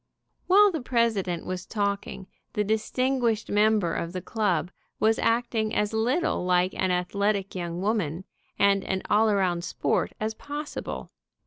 While the president was talking the distinguished member of the club was acting as little like an athletic 172 ANOTHER DEER MURDER CASE young woman, and an all around sport, as possible.